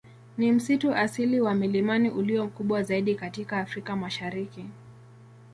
Ni msitu asili wa milimani ulio mkubwa zaidi katika Afrika Mashariki.